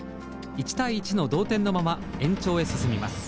１対１の同点のまま延長へ進みます。